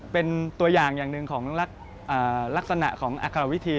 เป็นตัวอย่างอย่างหนึ่งของลักษณะของอัครวิธี